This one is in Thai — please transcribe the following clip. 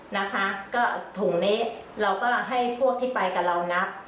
นะคะก็ถุงนี้เราก็ให้พวกที่ไปกับเรานับ